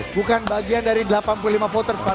bukan bagian dari delapan puluh lima voters pak